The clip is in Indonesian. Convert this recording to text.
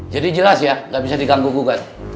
jadi jelas ya nggak bisa diganggu ganggu kan